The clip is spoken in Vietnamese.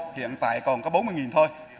hiện tại còn có bốn mươi thôi